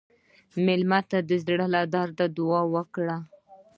مېلمه ته د زړه له درده دعا ورکړه.